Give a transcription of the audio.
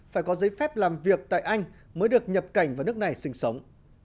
phải có giấy phép làm việc tại anh mới được nhập cảnh vào nước này sinh sống